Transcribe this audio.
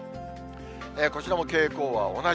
こちらも傾向は同じ。